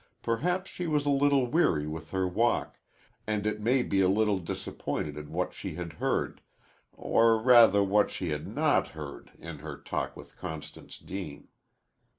Perhaps she was a little weary with her walk, and it may be a little disappointed at what she had heard, or rather what she had not heard, in her talk with Constance Deane.